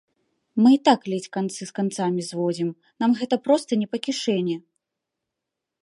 Мы і так ледзь канцы з канцамі зводзім, нам гэта проста не па кішэні.